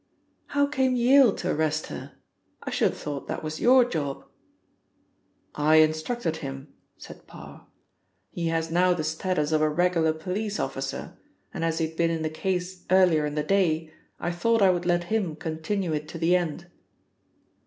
"How came Yale to arrest her? I should have thought that was your job?" "I instructed him," said Parr. "He has now the status of a regular police officer, and as he had been in the case earlier in the day, I thought I would let him continue it to the end."